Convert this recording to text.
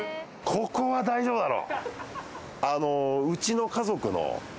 ここは大丈夫よ。